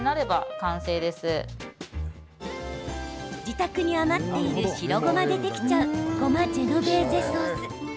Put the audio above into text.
自宅に余っている白ごまでできちゃうごまジェノベーゼソース。